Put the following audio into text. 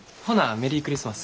メリークリスマス。